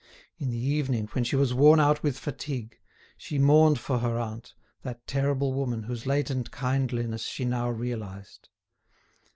In the evening, when she was worn out with fatigue, she mourned for her aunt, that terrible woman whose latent kindliness she now realised.